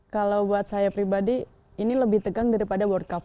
kalau buat saya pribadi ini lebih tegang daripada world cup